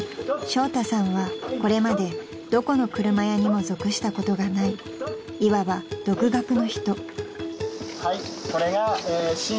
［笑太さんはこれまでどこの車屋にも属したことがないいわば独学の人］